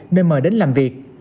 nên mời đến làm việc